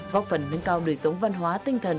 góp phần nâng cao đời sống văn hóa tinh thần